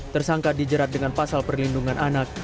tersangka dijerat dengan pasal perlindungan anak